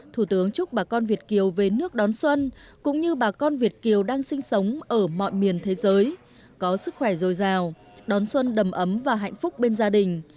thủ tướng chúc bà con việt kiều về nước đón xuân cũng như bà con việt kiều đang sinh sống ở mọi miền thế giới có sức khỏe dồi dào đón xuân đầm ấm và hạnh phúc bên gia đình